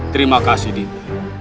terima kasih dinda